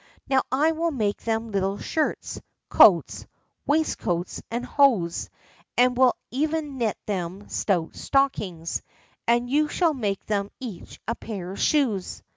Now I will make them little shirts, coats, waistcoats, and hose, and will even knit them stout stockings, and you shall make them each a pair of shoes."